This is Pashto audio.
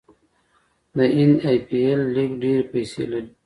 د هند ای پي ایل لیګ ډیرې پیسې لري.